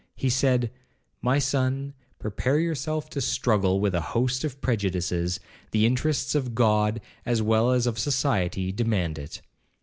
He said, 'My son, prepare yourself to struggle with a host of prejudices,—the interests of God, as well as of society, demand it.